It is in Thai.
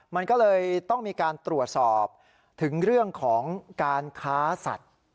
มันก็เลยต้องมีการตรวจสอบถึงเรื่องของการค้าสัตว์